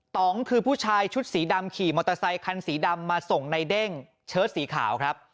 องคือผู้ชายชุดสีดำขี่มอเตอร์ไซคันสีดำมาส่งในเด้งเชิดสีขาวครับ